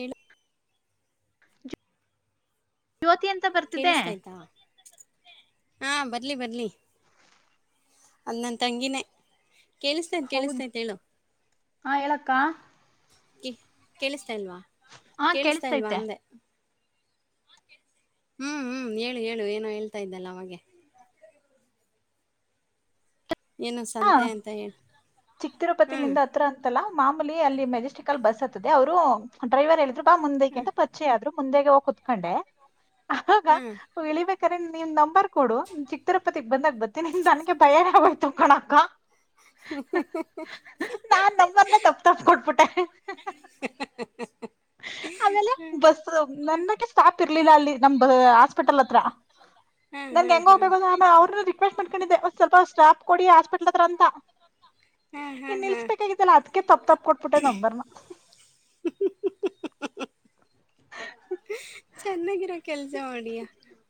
ಏಳು ಜ್ಯೋತಿ ಅಂತ ಬರ್ತಿದೆ ಕೇಳಿಸ್ತಯ್ತಾ ಹಾ ಬರ್ಲಿ ಬರ್ಲಿ ಅದು ನನ್ನ ತಂಗಿನೇ ಕೇಳಿಸ್ತೈತ್ ಹೌದು ಕೇಳಿಸ್ತೈತ್ ಹೇಳು ಹ ಹೇಳಕ್ಕ ಕೆಲಸ ಲ್ವಾ ಹಾ ಕೇೇಳಿಸತಾ ಇಲ್ವಾ ಕೇಳಿಸ್ತೈತೆ ಅಂದೆ ಹ್ಮ್ ಹ್ಮ್ ಹೇಳು ಹೇಳು ಏನೋ ಹೇಳ್ತಾ ಇದ್ದಲ್ಲ ಅವಾಗೆ ಏನೋ ಹಾ ಸಂತೆ ಅಂತ ಹೇಳು ಚಿಕ್ ಹ್ಮ್ ತಿರುಪತಿಲಿಂದ ಹತ್ರ ಅಂತಲ್ಲ ಮಾಮೂಲಿ ಅಲ್ಲಿ ಮೆಜೆಸ್ಟಿಕಲ್ ಬಸ್ ಅ ಅವರು ಡ್ರೈವರ್ ಹೇಳ್ರು ಮುಂದೆಂತ ಪಚ್ಚೆ ಆದ್ರರು ಮುಂದ ಹೋಗ ಕತ್ಕೊಂಡೆ ಹ ಹ್ಮ್ ಇಿಬೇಕ [unintelligible] ನೀವು ನಂಬರ್ ಕೊಡು ಚಿತ್ತರಪ್ಪತಿಗ್ ಬಂದಾಗ ಬರ್ತಿನಿನ್ ನನ್ಗೆ ಬಯ ಆಯ ತುಕ್ಕಣ ಹ ನಂಬರ್ನ [inaudible] ತಪ್ಪ ತಪ್ಪ ಕೊಟ್ಬಿಟ್ಟೆ [inaudible] ಆಮೇಲೆ ಬಸ್ ನನ್ನಕ್ಕೆ ಸ್ಟಾಪ್ ಇರ್ಲಿಲ್ಲ ಅಲ್ಲಿ ನಮ ಹಾಸ್ಪಿಟಲ್ ಹತ್ರ ಹ್ಮ್ ನಂ ಹ್ಮ್ ಹೆಂಗ ಹ್ಮ್ ಹೋಗ್ಬೇಕ ಅವ್ರ ರಿಕ್ವೆಸ್ಟ್ ಮಾಡಕೊಂಡಿದ್ದೆ ಸ್ವಲ್ಪ ಸ್ಟಾಫ ಕೊಡಿ ಹಾಸ್ಪಿಟ್ಲ್ತ್ರ ಅಂತ ಹ್ಮ್ ಇನ್ ಹ್ಮ್ ಹ್ಮ್ ನಿಲ್ಸ್ಬೇಕಲ್ಲಾ ಅದ ತಪ್ಪ ತಪ್ಪ ಕೊಟ್ಬಿಟ್ಟೆ ನಂಬರ್ನ ಚೆನ್ನಾಗಿರೋ ಕೆಲ್ಸ ಮಾಡಿಯಾ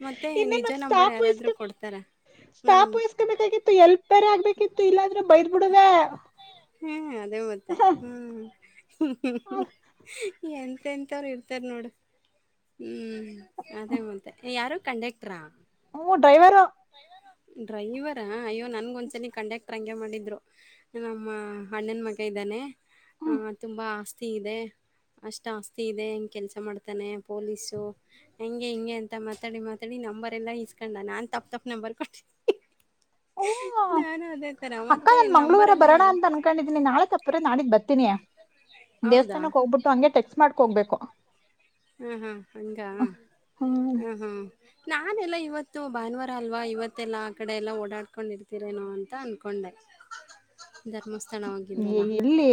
ಮತ್ತೆ ನಿಜ ಇನ್ನೇನು ನಂಬರ್ ಸ್ಟಾಪ್ ವಹಿಸ್ಕ ಯಾರಾದ್ರು ಕೊಡ್ತಾರ ಹ್ಮ್ ಸ್ಟಾಪ್ ವಹಿಸ್ಕೋಬೇಕಾಗಿತ್ತು ಎಲ್ಪ್ ಬೇರೆ ಆಗ್ಬೇಕಿತ್ತು ಇಲ್ಲಾದ್ರೂ ಬೈದ ಬಿಡದ ಹ್ಮ ಹಾ ಅದೇ ಮತ್ತೆ ಹ್ಮ್ ಎಂತೆಂಥವ್ರು ಇರ್ತಾರೆ ನೋಡು ಹ್ಞೂ ಅದೇ ಮತ್ತೆ ಯಾರು ಕಂಡಕ್ಟ್ರಾ ್ರೈರ್ [unintelligible] ಡ್ರೈವರಾ ಅಯ್ಯೋ ನನಗೊಂದ್ಸಲ ಕಂಡಕ್ಟ್ರ ಹಗೆ ಮಾಡಿದ್ದರು ನಮ್ಮ ಅಣ್ಣನ ಮಗ ಇದ್ದಾನೆ ಹ್ಮ್ ತುಂಬ ಆಸ್ತಿ ಇದೆ ಅಷ್ಟು ಆಸ್ತಿ ಇದೆ ಹಂಗೆ ಕೆಲಸ ಮಾಡ್ತಾನೆ ಪೋಲಿಸು ಹಂಗೆ ಹಿಂಗೆ ಅಂತ ಮಾತಾಡಿ ಮಾತಾಡಿ ನಂಬರ್ ಎಲ್ಲ ಇಸ್ಕೊಂಡ ನಾನ್ ತಪ್ಪ ತಪ್ ನೆಂಬರ್ ಕೊಟ್ಟ ಓ ಅಕ್ಕ ನನ್ ಮಂಗಳೂವಾರ ನಂಬರೆಲ್ಲ ಬರೋಣ ಯಾರು ಅಂತ ಅನ್ಕೊಂಡಿದೀನಿ ನಾಳೆ ತಪ್ಪ್ರ ನಾಳಗ್ ಬತ್ತ ಹೌದಾ ದೇವಸ್ಥಾನಕ್ಕೆ ಹೋಗ್ಬಿಟ್ಟು ಹಂಗೆ ತ ಮಾಡ್ಕೊಬೇಕು ಹ್ಮ ಹಾ ಹಂಗ ಹ್ಮ್ ಹ್ಮ ಹಾ ನಾನೆಲ್ಲಾ ಇವತ್ತು ಭಾನುವಾರ ಅಲ್ವಾ ಇವತ್ತೆಲ್ಲಾ ಆ ಕಡೆ ಎಲ್ಲಾ ಓಡಾಡ್ಕೊಂಡಿರ್ತರೇನೋ ಅಂತ ಅನ್ಕೊಂಡೆ ಧರ್ಮಸ್ಥಳವಾಗಿದ್ರಲ್ಲ ಎಲ್ಲಿ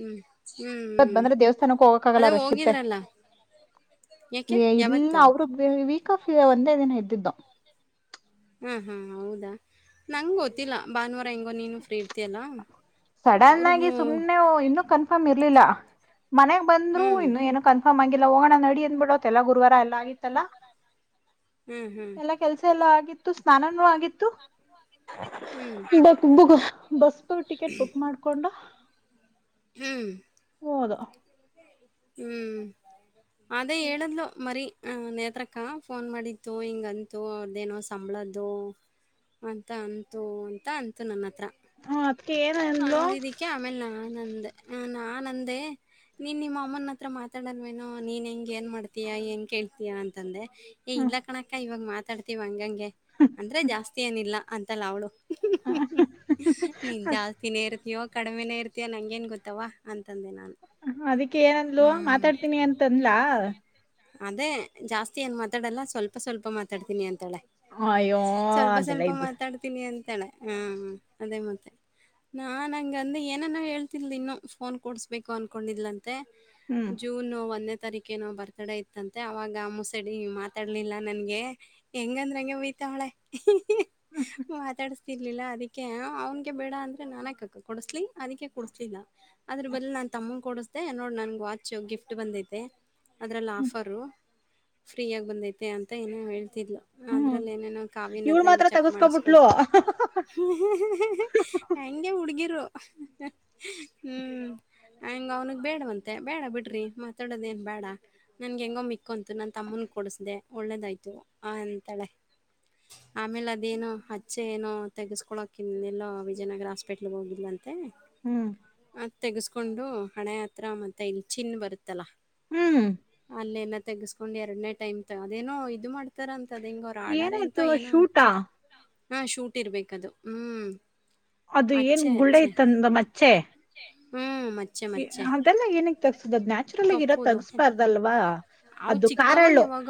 ಹ್ಮ್ ಹ್ಮ್ ಇವತ್ ಹ್ಮ್ ಬಂದ್ರೆ ದೇವಸ್ಥಾನಕ್ಕೆ ಹೋಗಕ್ಕ ಆಗಲ್ಲ ಅದೇ ರಷ್ ಇರುತ್ತೆ ಹೋಗಿದ್ರಲ್ಲ ಯಾಕೆ ಇಲ್ಲ ಯಾವತ್ತು ಅವರು ಬೇ ವೀಕ್ ಆಫ್ ಒಂದ ಇದನ ಇದ್ದಿದ್ದು ಹಾ ಹಾ ಹೌದಾ ನಂಗ್ ಗೊತ್ತಿಲ್ಲ ಭಾನುವಾರ ಹೆಂಗೊ ನೀನು ಫ್ರೀ ಇರ್ತಿಯಯಲ್ಲಾ ಸಡನ್ ಆಗಿ ಸುಮ್ನೆ ಇನ್ನುೂ ಕನ್ಫರ್ಮ್ ಇ ಿಇಲ್ಲ ಮನ್ಗ್ ಬಂದ್ರು ಹ್ಞೂ ಇನ್ನು ಏನು ಕನ್ಫರ್ಮ್ ಆಗಿ ಎಲ್ಲ ಹೋಗಣ ನಡಿ ಅಂದಬಿಡತ್ಲ್ಲ ಗುರುವಾರ ಎಲ್ಲಾ ಆಗಿತ್ತಲ್ಲಾ ಹ್ಞೂ ಹ್ಞೂ ಎಲ್ಲ ಕೆಲ್ಸ ಎಲ್ಲ ಆ ಆತ್ತು ಸ್ನಾನೂ ಆಗಿತ್ತು ಹ್ಞೂ ಈಗ ಬಸ್ ಟಿಕೆಟ್ ಬುಕ್ ಮಾಡ್ಕೊಂಡು ಹ್ಮ್ ಹೋದು ಹ್ಮ್ ಅದೇ ಹೇಳಿದ್ಲು ಮರಿ ಹ ನೇತ್ರಕ್ಕ ಫೋನ್ ಮಾಡಿತ್ತು ಹಿಂಗ ಅಂತು ಅವ್ರ್ದೇನೋ ಸಂಬಳದ್ದು ಅಂತ ಅಂತು ಅಂತ ಅಂತು ನನ್ನತ್ರ ಹ ಅದ್ಕ ಏನ್ ಅಂದ್ಲು ಅಂದಿದಕ್ಕೆ ಆಮೇಲೆ ನಾನ್ಂದ ನಾನ್ ಅಂದೆ ನೀನ್ ನಿಮ್ಮ ಅಮ್ಮನ ಹತ್ರ ಮಾತಾಡನ್ವೇನೋ ನೀನ್ ಹೆಂಗ ಏನ್ ಮಾಡ್ತೀಯಾ ಏನ್ ಕೇಳ್ತೀಯಾ ಅಂತಂದೆ ಏ ಹ್ಮ್ ಇಲ್ಲ ಕಣಕ್ಕ ಇವಾಗ ಮಾತ್ರ ಮಾತಾಡ್ತೀವಿ ಅಂಗೆಂಗೆ ಅಂದ್ರೆ ಜಾಸ್ತಿ ಏನಿಲ್ಲ ಅಂತಲ್ಲ ಅವಳು ನೀನ್ ಜಾಸ್ತಿನೇ ಇರ್ತಯೋ ಕಡಿಮೆೇ ಇರ್ತಯಾಂಗ ನ್ ಗೊ ವಾ ಅಂತ- ಅದಿಕ್ಕೆ ಏನಂದ್ಲು ಹ್ಮ್. ಮಾತಾಡ್ತೀನಿ ಅಂತನ್ಲಾ ಅದೇ ಜಾಸ್ತಿ ಏನ್ ಮಾತಾಡಲ್ಲ ಸ್ವಲ್ಪ - ಸ್ವಲ್ಪ ಮಾತಾಡ್ತೀನಿ ಅಂತ ಅಯ್ಯೋ ಸ್ವಲ್ಪ- ಅದೆಲ್ಲ ಸ್ವಲ್ಪ ಇದ್ದು ಮಾತಾಡ್ತೀನಿ ಅಂತ ತಾಳೆ ಹ್ಮ- ಅದೇ ಮತ್ತೆ ನಾನ್ಂಗಂದ ಏನಾನೋ ಹೇಳ್ತಿಲ್ದಿ ಇನ್ನು ಫೋನ್ ಕೊಡಡ್ಸ್ಬೇಕು ಅನ್ಕೊಂಡಿಲ್ಲ ಅ ಹ್ಮ್ ಜೂನ್ ಒಂದ ತರಿಕೆನ ಬರ್ತಡ ಇತ್ತಂತೆ ಅದ್ರ ಬದ ನಾನ್ ತಮ್ಮನ್ ಕೊಡಸ್ದೆ ನೋಡ್ ನನ್ಗೆ ವಾಚ್ ಗಿಫ್ಟ್ ಬಂದೈತೆ ಅದ್ರೆಲ್ಲ ಹ್ಮ್ ಆಫರು ಫ್ರೀಯಾಗಿ ಬಂದೈತೆ ಅಂತ ಏನ ಹೇಳ್ತಿ ಹ್ಮ್ ಅದ್ರಲ್ಲಿ ಏನೇನೋ ಇವ್ಳ್ ಕಾವಿನತ್ರ ಇಲ್ಲಿ ಮಾತ್ರ ಚೆಕ್ ತಗಸ್ಕೊಬಿಟ್ಲು ಮಾಡಿಸಕೊತ ಹೆಗೆ ಹುಡ್ಡುಗಿರು ಹ್ಮ್ ಹಂಗ ಅವ್ನಿಗೆ ಬೇಡವಂತೆ ಬೇಡ ಬಿಡ್ರಿ ಮಾತಾಡೋದ ಏನ್ ಬೇಡ ನನ್ಗೆ ಹೆಂಗೋ ಮಿಕ್ಕಂತು ನನ್ನ ತಮ್ಮನ ಕೊಡಸ್ದ ಒಳ್ಳೇದಾಯ್ತು ಆ ಅಂತಾಳೆ ಆಮೇಲೆ ಅದೇನುೋ ಹಚ್ಚೆ ಏನೋ ತೆೆಗೆಸ್ಕೊಳೋಕ ಇ ಎಲ್ಲೋ ವಿಜಯನಗರ ಹಾಸ್ಪಿಟ್ಲ್ಗೆ ಹೋಗಿಲ್ಲಂತೆ ಹ್ಮ್ ಅದ ತೆೆಗೆಸ್ಕೊಂಡು ಹಣೆ ಹತ್ರ ಮತ್ತೆ ಇಲ್ಲಿ ಹ್ಮ್ ಅಲ್ಲ ತೆಗಸ್ಕೊಂಡು ಎರಡನೇ -ಟೈಮ್ ಅದೇನೋ ಇದು ಮಾಡ್ ಇತರ ಅಂತದ್ ಹಿಂಗ ಅವರು ಆರ್ಡರ್ ಎಂತ ಏನಾಯ್ತು ಏನ ಶೂಟಾ ಹಾ ಶೂಟ್ ಇರ್ಬೇಕದು ಹ್ಮ್ ಅದು ಏನ್ ಅಚ್ಚೆ ಅಚ್ಚೆ ಗುಳ್ಳೈತಂದ ಹ್ಮ್ ಮಚ್ಚೆ ಹ್ಮ್ ಮಚ್ಚೆ- ಎ- ಮಚ್ಚೆ ಅದೆಲ್ಲ ಏನಕ್ ತಗ್ಸುದು ಅದ್ ನ್ಯಾಚುರಲ್ ಆಗಿ ಇರೋದ್ ಕಪ್ಪುದು ತಗ್ಸ್ಬಾರ್ದಲ್ವಾ ಅ ಅದು ಚಿಕ್ಕವಾಗ ಕಾರಲ್ಲು ಯಾವಾಗ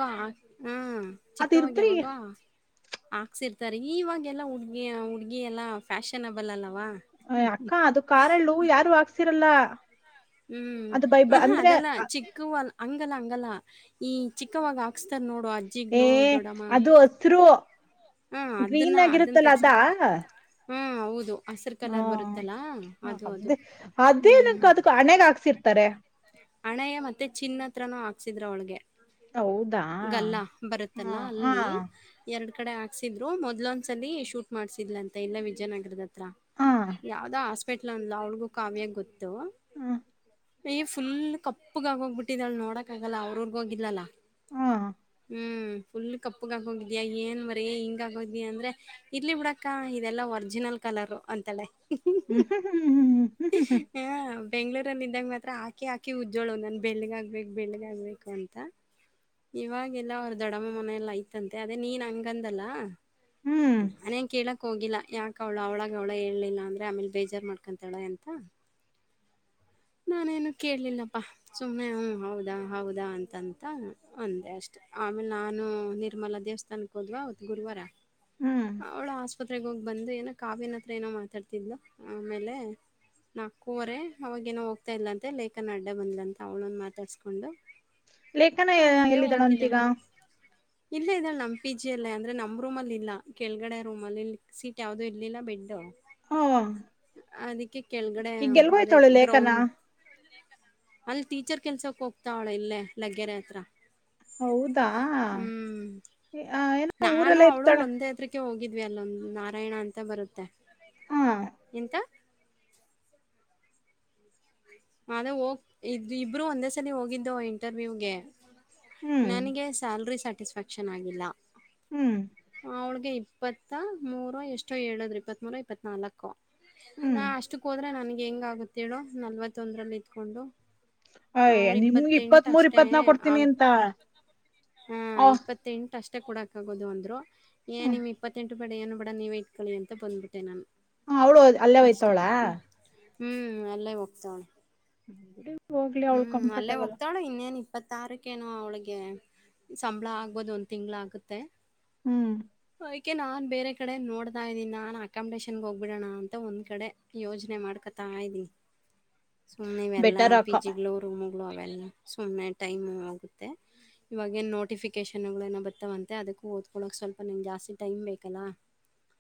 ಹ್ಮ ಅದ್ ಚಿಕ್ಕವಾಗ ಇದ್ರಿ ಯಾವಾಗ ಹಾಕ್ಸರ್ ಾರೆ ಇವಾಗೆಲ್ಲ ಹುಡುಗಿ ಹುಡ್ಗಿ -ಎಲ್ಲಾ ಫ್ಯಾಷನಬಲ್ ಅಲ್ಲ [unintelligible] ಅಕ್ಕ ಅದು ಕಾರಳು ಯಾರು ಹಾಕ್ಸಿರಲ್ಲ ಹ್ಮ್ ಅದು ಬೈ ಬ- ಹಹಾ ಅಂದ್ರೆ ಅದೆಲ್ಲಾ ಅ- ಚಿಕ್ಕಲ್ಲ ಹಂಗಲ್ಲ - ಹಂಗಲ್ಲ ಈ ಚಿಕ್ಕವಾಗ ಹಾಕ್ಸ್ತಾರ್ ನೋ ಏ ಅದು ಅಸ್ರು ಹಾ ಅದನ್ನ ಗ್ರೀನ್ ಅದನ್ನ ಆಗಿರುತ್ತಲ್ಲ ತೆಗ್ಸ ಅದಾ ಹಾ ಹೌದು ಹಸಿರು ಕಲರ್ ಹ್ಮ್ ಬರುತ್ತಲ್ಲಾ ಹ, ಅದು - ಅದು ಅದೇ ಅದೇನಕ್ಕ ಹ್ಮ್ ಅದಕ್ ಹಣೆಗ್ ಹಾಕ್ಸಿರ್ತಾರೆ ಅಣೆಯ ಮತ್ತೆ ಚಿನ್ನತ್ರ ಸಿದ್ರಾ ಅವಳಿಗೆ. ಹೌದಾ ಗಲ್ಲ ಹಾ ಬರುತ್ತಲ್ಲ ಹಾ ಅಲ್ಲಿ ಎರಡು. ಕಡೆ. ಹಾಕ್ಸಿದ್ರು ಮೊದ್ಲೊಂದ್ಸಲಿ ಶೂಟ್ ಮಾಡ್ಸಿದ್ ಅಂತ ಇಲ್ಲ ವಿಜಯನಗರದತ್ರ ಹಾ ಹಾ ಯಾವುದೋ ಹಾಸ್ಪಿಟಲ್ ಅಂದಲ ಅವಳಿಗೂ ಕಾವ್ಯಾಗ ಗೊತ್ತು. ಹ್ಮ್. ಯ್ ಫುಲ್ ಕಪ್ಪಗ ಆಗ ಹೋಗ್ಬಿಟ್ಟಿದಾಳ ನೋಡಕ್ ಆಗಲ್ಲ ಅವರ ಊರಿಗೆ ಹೋಗಿದ್ಲಲ್ಲ. ಹ್ಮ್ ಹ್ಮ್ ಫುಲ್ ಕಪ್ಪಗೆ ಹೋಗಿದ್ಯಾ ಏನ್ ಮ ಹಿಂಗ ಆಗೋದಿ ಅಂದ್ರೆ ಇರ್ಲಿ ಬಿಡಾಕ್ಕ ಇದೆಲ್ಲಾ ಒರ್ಜಿನಲ್ ಕಲರ್ ಅಂತಾಳೆ. ಹ್ಮ್ ಹ್ಮ್ ಹ್ಮ್. ಬೆಂಗಳೂರಲ್ಲಿ ಇದಾಗ ಮಾತ್ರ ಹಾಕಿ ಹಾಕಿ ಉಜ್ಜೋಳು ನನ್ ಬೆಳ್ಳಗ್ ಆಗ್ಬೇಕು ಬೆಳ್ಳಗ್ ಆಗ್ಬೇಕು ಅಂತ. ಇವಾಗೆಲ್ಲ ಅವ್ರ ದಡಮ್ಮ ಮನೆಯ ಎಲ್ಲ ಐ್ತಂತೆ ಅದೇ ನೀನ್ ಹಂಗಂದಲ್ಲಾ. ಹ್ಮ್ ನಾನೇನು ಕೇಳ ಹೋಗಿಲ್ಲ ಯಾಕ ಅವಳ ಅವಳಾಗ ಅವ್ಳ ಹೇಳಲಿಲ್ಲ ಅಂದರೆ ಆಮೇಲೆ ಬೇಜಾರು ಮಾಡ್ಕೊಂತಾಳೆ ಅಂತ ನಾನೇನು ಕೇಳಲಿಲ್ಲಪ್ಪ ಸುಮ್ಮ್ನೆ ಹ್ಞ ಹೌದಾ ಹೌದಾ ಅಂತಂತ. ಅಂದೆ ಅಷ್ಟೇ ಆಮೇಲೆ ನಾನು ನಿರ್ಮಲ ದೇವಸ್ಥಾನಕ್ ಹೋದ್ವಾ ಅವತ್ ಗುರುವಾರ. ಹ್ಮ್ ಅವಳು ಆಸ್ಪ ತ್ರಗೋಗಿ ಬಂದು ಏನೋ ಕಾವ್ಯ ಹತ್ರ ಏನೋ ಮಾತಾಡ್ತಿದ್ಲು ಆಮೇಲೆ ನಾಲ್ಕೂವರೆ ಅವಾಗೇಏನೋ ಹೋಗ್ತಾಯ ಇಲ್ಲಂತೆ ಲೇಖನ ಅಡ್ಡ ಬಂದಲಂತ ಅವ್ಳನ್ನ ಮಾತಾಡ್ಸ್ಕೊಂಡು. ಲೇಖನ ಎಲ್ಲಿದಳಂತಿಗ. ಇಲ್ಲ ಇದಲ್ ನಮ್ ಪಿ ಜಿ ಅಲ್ಲೇ ಅಂದ್ರೆ ನಮ್ ರೂಮಲ್ಲಿ ಇಲ್ಲ ಕೆಳಗಡೆ ರೂಮಲ್ಲಿ ಸೀಟ್ ಯಾವುದು ಇರ್ಲಿಲ್ಲ ಬೆಡ್ಡು. ಹ್ಮ್ ಅದಿಕ್ಕೆ ಕೆಳಗಡೆ ಈಗ ಅದೇ ಎಲ್ಗೋಯ್ತಾಳೆ ಲೇಖನ ಗ್ರೌಂಡ್. ಅಲ್ಲಿ ಟೀಚರ್ ಕೆಲ್ಸಕ್ ಹೋಗ್ತಾವಳೆ ಇಲ್ಲೇ ಲಗ್ಗೆರೆ. ತ್ರ. ಹೌದಾ ಏನ ಊರೆಲ್ಲ ಇರ್ತಾಳೆ. ಇವಿ ಅಲ್ಲೊಂದು ನಾರಾಯಣ ಅಂತ ಬರುತ್ತೆ. ಹ ಎಂಥ. ಅದೇ ಹೋಗ್ ಇದ ಇಬ್ರು ಒಂದೇ ಸಲಿ ಹೋಗಿದ್ದು ಇಂಟರ್ವ್ಯೂಗೆ. ಹ್ಮ್ ನನಗೆ ಸ್ಯಾಲರಿ ಸಟ್. ಸಾಟಿಸ್ಫ್ಯಾಕ್ಷನ್ ಆಗಿಲ್ಲ. ಹ್ಮ್ ಅವಳಿಗೆ. ಇಪ್ಪತ್ತ ಮೂರು ಎಷ್ಟೋ ಏದ್ರರು ಇಪ್ಪತ್ ಮೂರು ಎಪತುನಾಲಕೂ. ನಾ ಹ್ಮ್ ಅಷ್ಟಕ್ ಹೋದ್ರೆ ನನ್ಗೆ- ಹೆಂಗ್ ಆಗುತ್ ಹೇಳು. ನಲ್ವತ್ತೊಂದರಲ್ಲಿ ಇತ್ಕೊಂಡು. ಅವ್ರ ಅಯ್ಯ ನಿಮ್ಗೆ ಇಪ್ಪತ್ ಇಪ್ಪತ್ತೆಂಟು ಮೂರ್ ಅಷ್ಟೇ ಇಪ್ಪತ್ನಾಕ್ ಕೊಡ್ತೀನಿ ಅಂತ ಹಾ ಇಪ್ಪತ್ತೆಂಟ ಅಷ್ಟೇ ಕೂಡಾಕಾಗೋದು ಅಂದ್ರು. ಏ ನಿಮ್ ಇಪ್ಪತ್ತೆಂಟು. ಬಡೆಯನ್ನು ಬಡ ನೀವ ಇಟ್ಕೊಳ್ಳ ಅಂತ ಬಂದ್ಬಿಟ್ಟೆ ನಾನು. ಹ ಅವ್ಳು ಅಲ್ಲೇ ಅಷ್ಟೆ ಹೋಯ್ತವಳಾ. ಹ್ಮ್ ಹ್ಮ್ ಅಲ್ಲೇ. [unintelligible] [unintelligible] ಅವಳು ಹ್ಮ್ ಅಲ್ಲೇ ಕಂಫರ್ಟೇಬಲ್ ಹೋಗ್ತಾಳು ಇನ್ನೇನ. ಇಪ್ಪತ್ತಾರಕೇನು ಅವಳಿಗೆ ಸಂಬಳ ಆಗ್ಬೋದು ಒಂದ್ ತಿಂಗಳ ಆಗುತ್ತೆ. ಹ್ಮ್. ಅಓಕೆ ನಾನು ಬೇರೆ ಕಡೆ ನೋಡ್ತಾ ಇದ್ದೀನಿ ನಾನು ಅಕಾಮಿಡೇಷನ್ಗೆ ಹೋಗ್ಬಿಡೋಣ ಅಂತ ಒಂದು ಕಡೆ ಯೋಜನೆ ಮಾಡ್ಕೊತಾ ಇದ್ದೀನಿ. ಸುಮ್ಮನೆವೆಲ್ಲ. ಬೆಟರ್ ಪಿ ಅಕ್ಕ ಜಿಗ್ಲೊ ರುಮು. ಅವೆಲ್ಲ ಸುಮ್ಮನೆ ಟೈಮ್ ಹೋಗುತ್ತೆ ಇವಾಗ ನು ನೋಟಿಫಿಕೇಶನ್ಗಳು ನ ಬರ್ತಾವಂತೆ ಅದಕ್ಕ ಓದ್ಕೊಳ್ಳಳಕ್ ಸ್ವಲ್ಪ ನಿಗೆ ಜಾಸ್ತಿ ಟೈಮ್ ಬೇಕಲ್ಲ.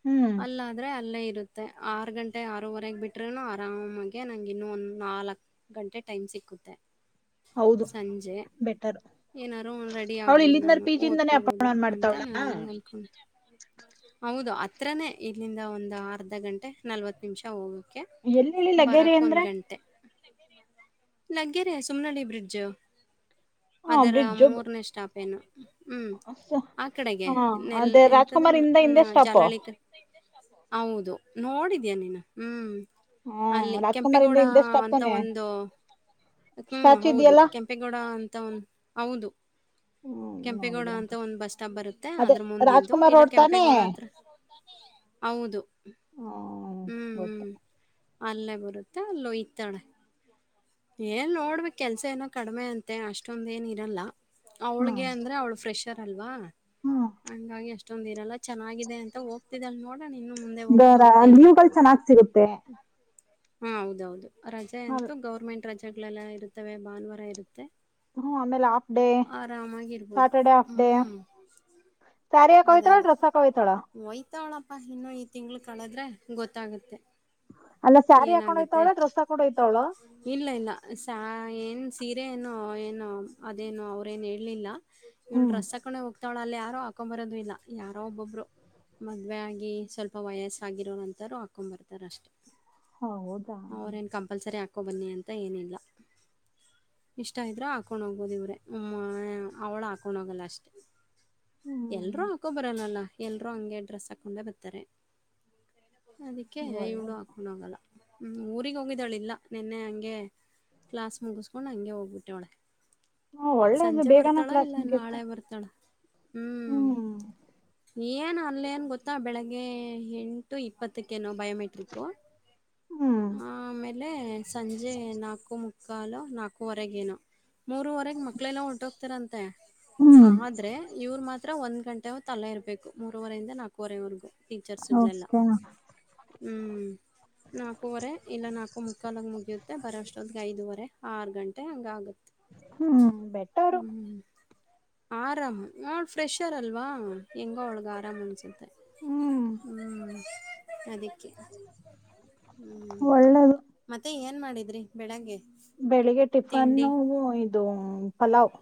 ಹ್ಮ್ ಅಲ್ಲ ಆದ್ರೆ ಅಲ್ಲೇ ಇದೆ. ಇತ್ತೆ ಆರು ಗಂಟೆ ಆರೂವರೆಗೆ ಬಿಟ್ರ ಆರಾಮಾಗ ನಂ ಇನ್ನು ಒಂದ್ ನಾಲ್ಕಕ್ ಗಂಟೆ. ಟೈಮ್ ಸಿಕ್ಕುತ್ತೆ. ಹೌದು ಸಂಜೆ ಬೆಟರ್ ಏನಾರು ರೆಡಿ ಅವಳು ಆಗ್ಬೋದು ಇಲ್ಲಿಂದ ನಾನು ಪಿ ಜಿಯಿಂದಾನೇ ಓದ್ಕೋಬೋದು ಅಪಾರ್ನ್ ಅಂತ ಮಾಡ್ತಾವಳ ನಾನು ಅಕೊಂಡ ಹೌದು. ಹತ್ರನೇ ಇಲ್ಲಿಂದ ಒಂದು ಅರ್ಧ ಗಂಟೆ ನಲವತ್ತು ನಿಮಿಷ ಹೋಗ. ಎಲ್ಲೆಲ್ಲಿ ಲಗೇರಿ ಅಂದ್ರೆ. [unintelligible] ಲಗ್ಗೆರ ಸುಮನೆಳ್ಳ ಬ್ರಿಡ್ಜ ಹ ಅದರ ಬ್ರಿಡ್ಜು ಮೂರನೇ ಸ್ಟಾಪ್ ಏನು ಹ್ಮ್ ಆ ಕಡೆಗೆೆ ಹ ನೆಲ್ ಅದೇ ರಾಜ್ಕುಮಾರ್ ಇಂದ ಎಂತ್ದು ಹಿಂದೆ ಸ್ಟಾಪ್ ಜಾಲಳಿಕ. ಹೌದು ನೋಡಿದಿಯ ನೀನ್ ಹ್ಮ್. ಅಲ್ಲಿ ಹ್ಮ ರಾಜ್ಕುಮಾರ್ ಇಂದ ಕೆಂಪೇಗೌಡ ಹಿಂದೆ ಸ್ಟಾಪ್ ಅಂತ ತಾನೆ ಒಂದು. ಹ್ಮ್ ಸ್ಟ್ಯಾಚು ಹೌದು ಇದೆಯಲ್ಲ ಕೆಂಪೇಗೌಡ. ಅಂತ ಒನ್ ಹೌದು. ಹ್ಮ್ ಕೆಂಪೇಗೌಡ ನೋಡಿದೀರ ಅಂತ ಒಂದು ಬಸ್ ಸ್ಟಾಪ್ ಬರುತ್ತೆ ಅದೇ ಅದ್ರ ಮುಂದಿಂದು ರಾಜ್ಕುಮಾರ್ ಇಲ್ಲ ಅವ್ರ್ ತಾನೇ ಕೆಂಪೇಗೌಡ ಹತ್ರ ಹೌದು ಹ್ಮ್ ಹ್ಮ್. ಅಲ್ಲೇ ಬರುತ್ತೆ ಅಲ್ಲೊಯ್ತಾಳೆ ಏನ್ ನೋಡ್ಬೇಕಕ್ ಕೆಲ್ಸ ಏನೋ ಕಡಿಮೆ ಅಂತೆ ಅಷ್ಟೊಂದ ಏನ್ ಇರಲ್ಲ ಅವ್ಳಗೆ ಹ್ಮ್ ಅಂದ್ರೆ ಅವ್ಳು ಫ್ರೆಶ್ ಹಾರ ಅಲ್ವಾ ಹ್ಮ್ ಹಂಗಾಗಿ ಅಷ್ಟು [unintelligible] ಚೆನ್ನಾಗಿದೆ ಅಂತ ಹೋಗ್ತಿದ್ದಲ್ ನೋಡೋಣ ಇನ್ನು ಮುಂದೆ ಹೋಗ್ತಾ ಹೋಗ್ತಾ ಏನಾಗ್ತ ಲೀವ್ಗಳು ಚೆನ್ನಾಗ್ ಸಿಗುತ್ತೆ ಹಾ ಹೌದೌದು. ರಜೆ ಅಂತೂ ಗೌರ್ಮೆಂಟ್. ರಜೆಗಳೆಲ್ಲ ಇರುತ್ತವೆ ಭಾನುವಾರ ಇರುತ್ತೆ. ಹ್ಮ ಆಮೇಲೆ ಹಾಫ್ ಡೇ ಆರಾಮಾಗಿ ಇರ್ಬೋದು ಸಟರ್ಡೇ ಹಾಫ್ ಡೇ. ಹ್ಮ್ ಚಾರಿಯ ಕವಿತಳ ರಸ ಕವಥಳ. ಹತ್ತಾವಳಪ್ಪ ಇನ್ನುೂ ಈ ತಿಂಗಳು ಕಳೆದ್ರೆ ಗೊತ್ತಾಗುತ್ತೆ. ಅಲ್ಲ ಸ್ಯಾರಿ ಹಾಕೊಂಡ್ ಏನಾಗತ್ತೆ ಹೋಯ್ತಾವಳ ಡ್ರೆಸ್ ಹಾಕೊಂಡ್ ಹೋಯ್ತಾವಳ ಇಲ್ಲ ಇಲ್ಲ ಸ ಏನ್. ಸೀರ ಏನು ಏನು ಅದೇನು ಅವರೇನು ಹೇಳಲಿಲ್ಲ. ಇವಳ ಹ್ಮ್ ರಸ ಕಕೊಂಡೆ ಹೋಗ್ತಾವಳ ಅಲ್ಲಿ. ಹ. ಹಾಕ್ಕೊಂಬರೋದು ಇಲ್ಲ ಯಾರೋ ಒಬ್ಬೊಬ್ಬರು ಮದುವೆ ಆಗಿ ಸ್ವಲ್ಪ ವಯಸ್ಸಾಗಿರೋರಂತರರು ಹಾಕ್ಕೊಬರ್ತಾರ ಅಷ್ಟೆ. ಹೌದಾ ಅವ್ರೇಏನ್ ಕಂಪಲ್ಸರಿ ಆಗ್ತ. ಹಾಕ್ಕೊಬನ್ನಿ ಅಂತ ಏನಿಲ್ಲ ಇಷ್ಟ ಇದರೂ ಹಾಕ್ಕೊಂಡು ಹೋಗ್ಬೋದು ಇವರೇ ಅವಳು ಹಾಕ್ಕೊಂಡೋಗಲ್ಲ ಅಷ್ಟೇ. ಹ್ಮ್ ಎಲ್ರೂ ಹಾಕೋ ಬರಲ್ಲಲ್ಲ ಎಲ್ರೂ ಹಂಗೆ ಡ್ರೆಸ್ ಹಾಕೊಂಡೆ ಬರ್ತಾರೆ. ಅದಕ್ಕೆ ಇವಡು ಒಳ್ಳೇದು ಹಾಕಣವಂಗಲ್ಲ. ಹ್ಮ್ ಊರಿಗೆ ಹೋಗಿದ್ದಾಳಿಲ್ಲ ನಿನ್ನೆ ಹಂಗೆ ಕ್ಲಾಸ್ ಮುಗಿಸಕೊಂಡ್ ಹಂಗೆ ಹೋಗ್ಬಿಟ್ಟೆವಳೆ. ಹ ಒಳ್ಳೇದು ಸಂಜೆ ಬೇಗನ ಬರ್ತಾಳ ಕ್ಲಾಸ್ ಇಲ್ಲ ಮುಗಿತ್ತ ನಾಳೆ ಬರ್ತಾಳ. ಹ್ಮ್. ಏನು ಅಲ್ಲೇಏನು ಗೊತ್ತಾ ಬೆಳಗ್ಗೆ ಎಂಟು ಇಪ್ಪತ್ತಕ್ಕೇನ. ಬಯೋಮೆಟ್ರಿಕ್ಕು ಹ್ಮ್ ಆಮೇಲೆ ಸಂಜೆ ನಾಲ್ಕು ಮುಕ್ಕ. ಕಾಲ ನಕೂ ಹೊರಗೇನು. ಮೂರವರೆಗೆ ಮಕ್ಳೆಲ್ಲ ಹೊಂಟೋಗ್ತಾರಂತೆ ಹ್ಮ್ ಆದ್ರೆ. ಇವ್ರು ಮಾತ್ರ ಒಂದು ಗಂಟೆ ತಲ್ಲೇ ಇರಬೇಕು ಮೂರುವರೆಯಿಂದ ನಾಲ್ಕೂರೆವರೆಗೂ. ಟೀಚರ್ಸುಗಳೆಲ್ಲ. ಓಕೆನಾ ಹ್ಮ್ ನಾಲ್ಕವರೆ ಇಲ್ಲ ನಾಲ್ಕು ಮುಕ್ಕಾಲಾಗ ಮುಗಿಯುತ್ತೆ ಬರೋ ಅಷ್ಟೊತ್ತಿಗೆ ಐದುವರೆ ಆರು ಗಂಟೆ ಹಾಗುತ್ತೆ. ಹ್ಮ್ ಬೆಟ್ಟವರು. ಆರಾಮ್. ನಾ ಫ್ರೆಷರ್ ಅಲ್ವಾ ಹೆಂಗ ಒಳಗ ಆರಾಮ್ ಅನ್ಸುತ್ತೆ. ಹ್ಮ್ ಹ್ಮ್. ಅದ. ಹ್ಮ ಒಳ್ಳೇದು ಮತ್ತೆ ಏನ್ ಏನ್ ಮಾಡಿದ್ರಿ ಬೆಳಗ್ಗೆ. ಬೆಳಿಗ್ಗೆ ತಿಂಡಿ? ಟಿಫನ್ನು ಇದು ಪಲಾವ್.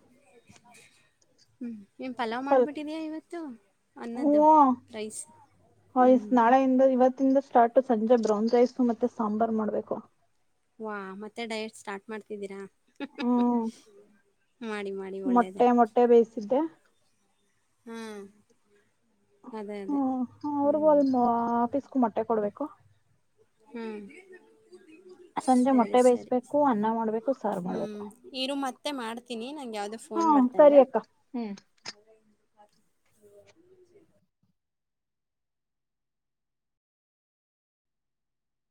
ಹ್ಮ್. ನೀನು ಪಲಾವ್ ಪಲ್ ಮಾಡಿಬಿಟ್ಟಿದಯಾ ಇವತ್ತು ಅನ್ನದ್ದು ಹ್ಮ ರೈಸ್ ಹ್ಞೂ ಹ್ಞ. ಸ್ಟಾರ್ಟು ಸಂಜೆ ಬ್ರೌನ್ ರೈಸ್ ಮತ್ತೆ ಸಾಂಬಾರ್ ಮಾಡ್ಬೇಕು. ವಾ ಮತ್ತೆ ಡಯಟ್ ಸ್ಟಾರ್ಟ್ ಮಾಡ್ತಿದ್ದೀರಾ. ಹ್ಮ್ ಮಾಡಿ, ಮಾಡಿ ಒಳ್ಳೇದೇ. ಮೊಟ್ಟೆ ಮೊಟ್ಟೆ ಬೇಯಿಸಿದ್ದೆ ಹ್ಮ್ ಅದೇ, ಅದೇ. ಹ್ಮ ಅವ್ರಿಗೂ ಅಲ್ ಮ ಆಫೀಸ್ಕೂ ಮೊಟ್ಟೆ ಕೊಡ್ಬೇಕು ಹ್ಮ್ ಸಂಜೆ ಸರಿ, ಮೊಟ್ಟೆ ಸರಿ. ಬೇಯಸ್ಬೇಕು ಅನ್ನ ಮಾಡ್ಬೇಕು ಸಾರು ಮಾಡ್ಬೇಕು ಮ ಮಾಡ್ತೀನಿ ನಂಗೆ ಯಾವುದೋ ಹಾ ಫೋನ್ ಸರಿ ಅಕ್ಕ ಹ್ಮ್ ಹಾಗ